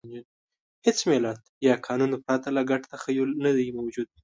هېڅ ملت یا قانون پرته له ګډ تخیل نهدی موجود.